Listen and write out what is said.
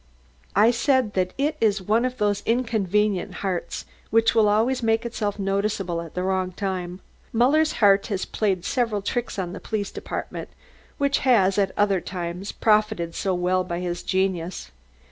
"I said that it is one of those inconvenient hearts that will always make itself noticeable at the wrong time. Muller's heart has played several tricks on the police department, which has, at other times, profited so well by his genius.